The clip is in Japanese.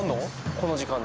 この時間に？